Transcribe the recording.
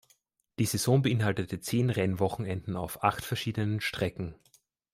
Die Saison beinhaltete zehn Rennwochenenden auf acht verschiedenen Strecken.